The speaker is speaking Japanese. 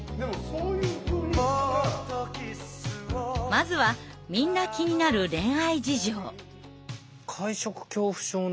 まずはみんな気になる恋愛事情。